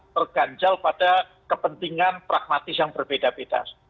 terganjal pada kepentingan pragmatis yang berbeda beda